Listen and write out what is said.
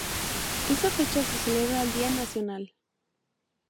Esa fecha se celebra el Día Nacional.